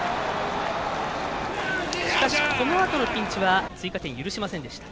しかし、このあとのピンチは追加点、許しませんでした。